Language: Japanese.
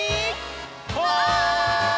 はい！